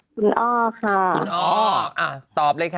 คุณอ้อแหละค่ะคุณอ้ออ่ะตอบเลยค่ะ